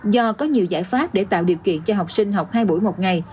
do có nhiều giải pháp để tạo điều kiện cho học sinh học hai buổi một ngày